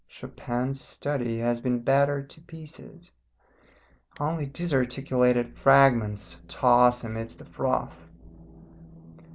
Chopin's Study has been battered to pieces; only disarticulated fragments toss amidst the froth.